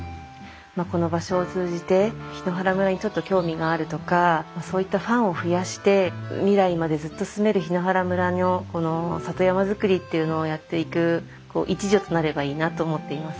この場所を通じて檜原村にちょっと興味があるとかそういったファンを増やして未来までずっと住める檜原村のこの里山づくりっていうのをやっていく一助となればいいなと思っています。